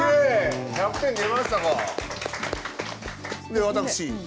で私。